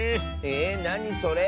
えなにそれ。